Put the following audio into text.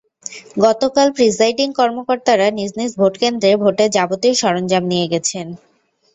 গতকাল প্রিসাইডিং কর্মকর্তারা নিজ নিজ ভোটকেন্দ্রে ভোটের যাবতীয় সরঞ্জাম নিয়ে গেছেন।